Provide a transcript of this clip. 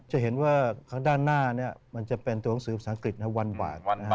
จะเห็นว่าข้างด้านหน้าเนี่ยมันจะเป็นตัวหนังสืออังกฤษนะฮะวันบาท